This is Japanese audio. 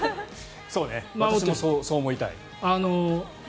私もそう思いたい。